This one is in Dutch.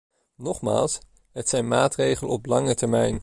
Nogmaals, het zijn maatregelen op lange termijn.